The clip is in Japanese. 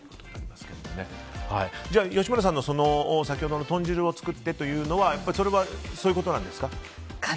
吉村さんの先ほどの豚汁を作ってというのはやっぱりそれはそういうことなんですか？